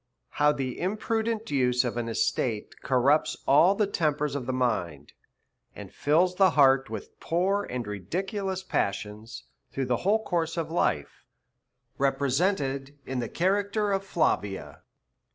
How the imprudent use of an Estate corrupts all the tempers of the Mind, and fills the heart ivith poor and ridiculous passions through the whole course of Life ; represented in the Character o/'Plavia.